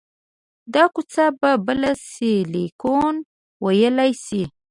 دا کوڅه به بله سیلیکون ویلي شي